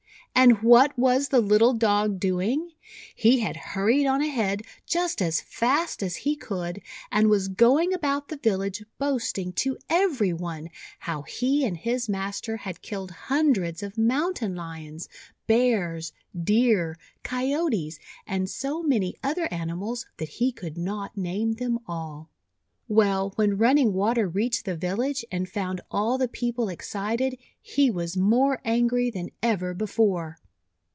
And what was the little Dog doing? He had hurried on ahead, just as fast as he could, and was going about the village boasting to every one how he and his master had killed hundreds of Mountain lions, Bears, Deer, Coyotes, and so many other animals that he could not name them all. Well, when Running Water reached the vil lage, and found all the people excited, he was more angry than ever before.